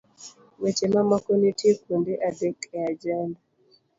Weche mamoko nitie kuonde adek e ajenda